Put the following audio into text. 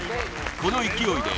この勢いで